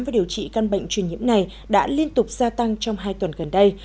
và điều trị căn bệnh truyền nhiễm này đã liên tục gia tăng trong hai tuần gần đây